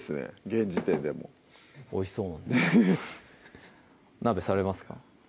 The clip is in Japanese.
現時点でもおいしそうなんですねぇ鍋されますか？